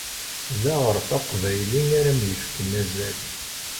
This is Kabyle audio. D aɣṛef aqbayli ara m-yefken azal.